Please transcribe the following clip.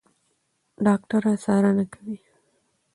ډاکټره څارنه کوي.